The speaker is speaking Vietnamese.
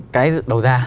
cái đầu ra